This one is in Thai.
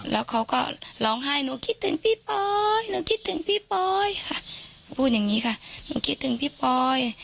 แล้วเขาก็ร้องไห้หนูคิดถึงพี่ปอยหนูคิดถึงพี่ปอยค่ะพูดอย่างนี้ค่ะหนูคิดถึงพี่ปอย